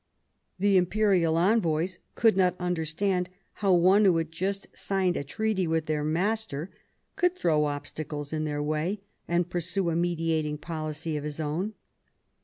The imperial envoys could not understand how one who had just signed a treaty with their master, could throw obstacles in their way and pursue a mediating policy of his own.